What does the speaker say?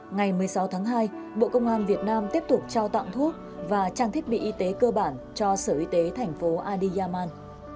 ngày một mươi sáu tháng hai bộ công an việt nam tiếp tục trao tặng thuốc và trang thiết bị y tế cơ bản cho sở y tế thành phố adi yaman